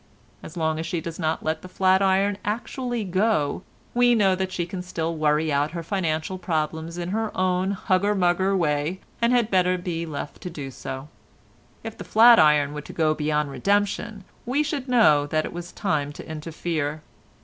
As long as she does not let the flat iron actually go we know that she can still worry out her financial problems in her own hugger mugger way and had better be left to do so. If the flat iron were to go beyond redemption, we should know that it was time to interfere.